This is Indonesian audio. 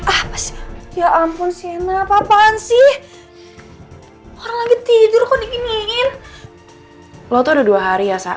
apa sih ya ampun sienna apaan sih orang lagi tidur kok dikiniin lo tuh ada dua hari ya saat